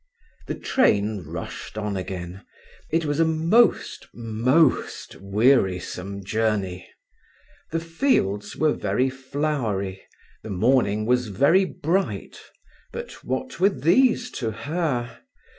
The train rushed on again. It was a most, most wearisome journey. The fields were very flowery, the morning was very bright, but what were these to her?